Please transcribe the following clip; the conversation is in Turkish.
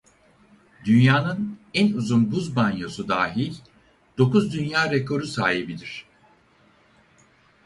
Dünya'nın en uzun buz banyosu dahil dokuz Dünya rekoru sahibidir.